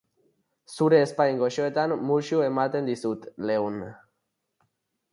Zure ezpain goxoetan musu ematen dizut, leun.